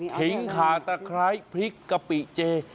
ขิงขาตะไคร้พริกกะปิเจ